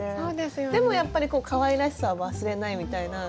でもやっぱりかわいらしさは忘れないみたいな。